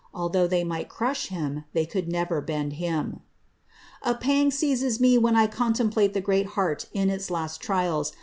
195 mlthough they might crush him, they could never bend him. A pang seizes me when I contemplate that great heart in its last trials.